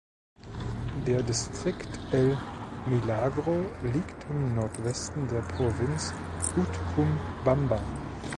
Der Distrikt El Milagro liegt im Nordwesten der Provinz Utcubamba.